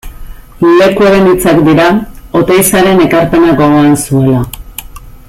Lekueren hitzak dira, Oteizaren ekarpena gogoan zuela.